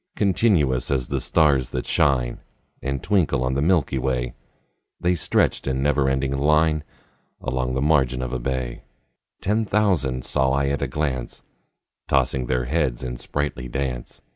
Continuous as the stars that shine And twinkle on the milky way, The stretched in never ending line Along the margin of a bay: Ten thousand saw I at a glance, Tossing their heads in sprightly dance.